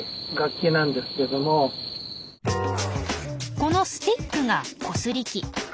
このスティックがコスリ器。